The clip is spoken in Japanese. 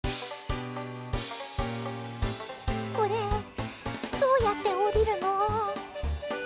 これ、どうやって下りるの？